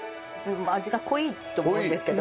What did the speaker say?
味が濃いと思うんですけど。